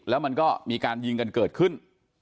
แล้วมันก็มีการยิงกันเกิดขึ้น